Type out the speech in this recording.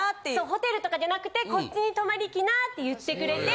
ホテルとかじゃなくてこっちに泊まりきなって言ってくれて。